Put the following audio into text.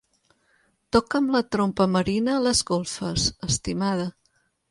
Toca'm la trompa marina a les golfes, estimada.